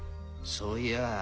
そういやぁ。